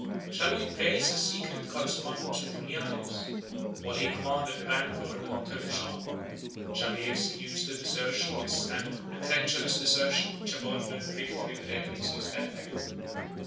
Shall we praise a secret correspondence with Huniades, while he commanded the vanguard of the Turkish army? shall we excuse the desertion of his standard, a treacherous desertion which abandoned the victory to the enemies of his benefactor?